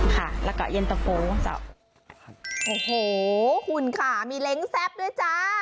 ค่ะแล้วก็เย็นตะโฟเสาโอ้โหคุณค่ะมีเล้งแซ่บด้วยจ้า